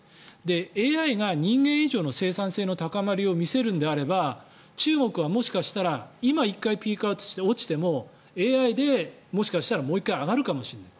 ＡＩが人間以上の生産性の高まりを見せるのであれば中国はもしかしたら今１回ピークアウトして落ちてもＡＩで、もしかしたらもう１回上がるかもしれない。